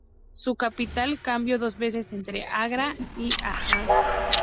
Su capital cambió dos veces entre Agra y Allahabad.